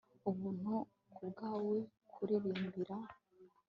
Ubuntu kubwawe kukuririmbira